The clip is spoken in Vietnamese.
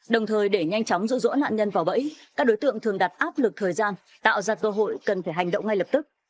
đồng thời để nhanh chóng rỗ nạn nhân vào bẫy các đối tượng thường đặt áp lực thời gian tạo ra cơ hội cần phải hành động ngay lập tức